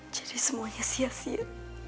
jadi semuanya sia sia